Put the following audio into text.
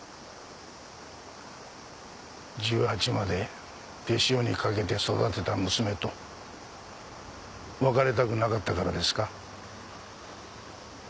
１８歳まで手塩にかけて育てた娘と別れたくなかったからですか？